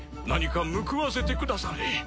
何か報わせてくだされ。